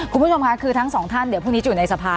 คุณผู้ชมค่ะคือทั้งสองท่านเดี๋ยวพรุ่งนี้จะอยู่ในสภา